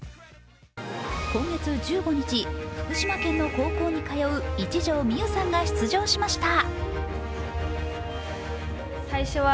今月１５日、福島県の高校に通う一条未悠さんが出場しました。